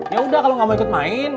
ya udah kalo nggak mau ikut main